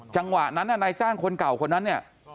จังหวะนั้นนายจ้างคนเก่าคนนั้นเนี่ย